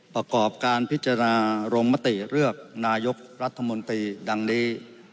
ประกอบการพิจารณาลงมติเลือกนายกรัฐมนตรีดังนี้